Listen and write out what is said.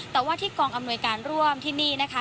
แต่ว่าที่กองอำนวยการร่วมที่นี่นะคะ